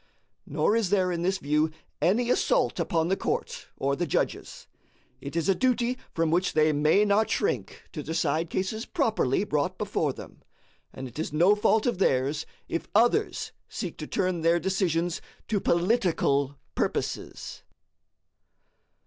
Nor is there in this view any assault upon the court or the judges. It is a duty from which they may not shrink to decide cases properly brought before them, and it is no fault of theirs if others seek to turn their decisions to political purposes.